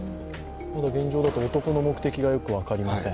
まだ現状だと男の目的がよく分かりません。